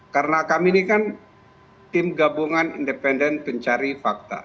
karena kami ini kan tim gabungan independen pencari fakta